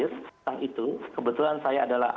tentang itu kebetulan saya adalah